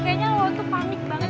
kayaknya lo tuh panik banget